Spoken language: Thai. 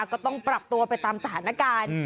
ก็ต้องปรับตัวไปตามสถานการณ์